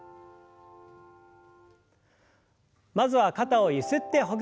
まずは肩をゆすってほぐしましょう。